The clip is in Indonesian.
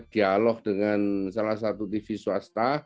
dialog dengan salah satu tv swasta